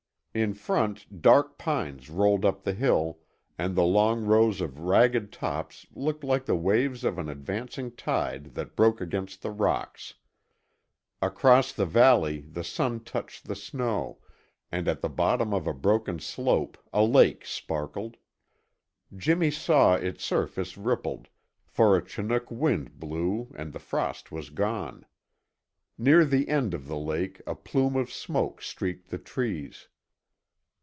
In front, dark pines rolled up the hill and the long rows of ragged tops looked like the waves of an advancing tide that broke against the rocks. Across the valley, the sun touched the snow, and at the bottom of a broken slope a lake sparkled. Jimmy saw its surface rippled, for a Chinook wind blew and the frost was gone. Near the end of the lake a plume of smoke streaked the trees.